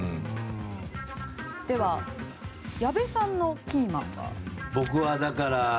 矢部さんのキーマンは？